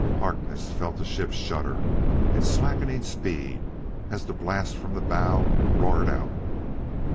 Harkness felt the ship shudder in slackening speed as the blast from the bow roared out.